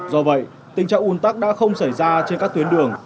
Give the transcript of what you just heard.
do vậy tình trạng ủn tắc đã không xảy ra trên các tuyến đường